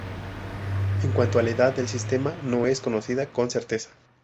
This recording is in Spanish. En cuanto a la edad del sistema, no es conocida con certeza.